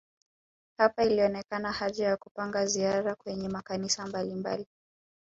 Hapo ilionekana haja ya kupanga ziara kwenye makanisa mbalimbali